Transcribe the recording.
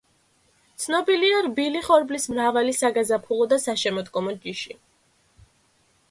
ცნობილია რბილი ხორბლის მრავალი საგაზაფხულო და საშემოდგომო ჯიში.